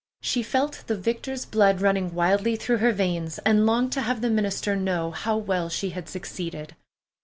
She felt the victor's blood running wildly through her veins, and longed to have the minister know how well she had succeeded.